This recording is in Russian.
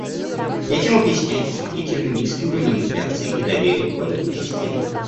Этим объясняется сравнительно низкий уровень инфляции и доверие к валютной системе.